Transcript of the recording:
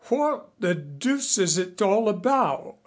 What the deuce is it all about?